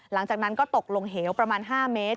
หลังจากนั้นก็ตกลงเหวประมาณ๕เมตร